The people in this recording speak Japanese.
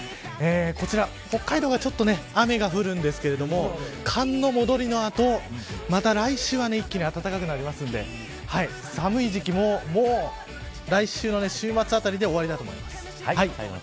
こちら北海道が雨が降るんですが寒の戻りのあとまた来週は一気に暖かくなるので寒い時期ももう来週の週末あたりで終わりだと思います。